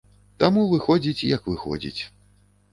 Таму выходзіць як выходзіць.